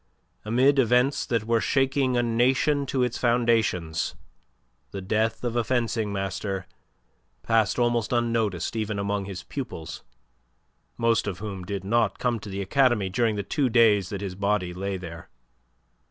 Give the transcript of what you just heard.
Amid events that were shaking a nation to its foundations the death of a fencing master passed almost unnoticed even among his pupils, most of whom did not come to the academy during the two days that his body lay there.